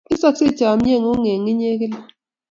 Tesokse chomye ng'ung' eng' inye kila.